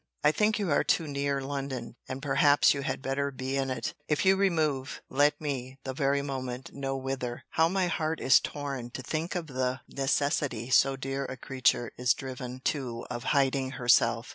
I think you are too near London; and perhaps you had better be in it. If you remove, let me, the very moment, know whither. How my heart is torn, to think of the necessity so dear a creature is driven to of hiding herself!